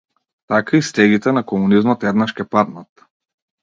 Така и стегите на комунизмот еднаш ќе паднат.